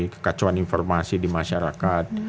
kekacauan informasi di masyarakat